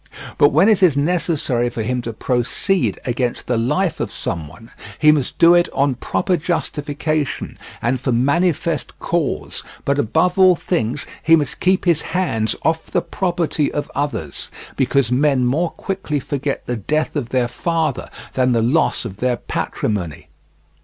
But when it is necessary for him to proceed against the life of someone, he must do it on proper justification and for manifest cause, but above all things he must keep his hands off the property of others, because men more quickly forget the death of their father than the loss of their patrimony.